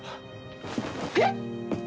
えっ